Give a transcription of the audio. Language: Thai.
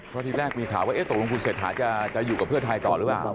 เพราะทีแรกมีข่าวว่าตกลงคุณเศรษฐาจะอยู่กับเพื่อไทยต่อหรือเปล่า